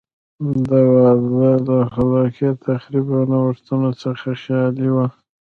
دا وده له خلاق تخریب او نوښتونو څخه خالي وه.